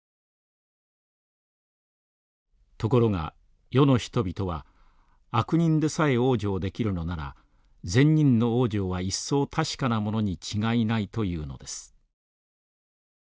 「ところが世の人々は悪人でさえ往生できるのなら善人の往生は一層確かなものに違いないと言うのです」。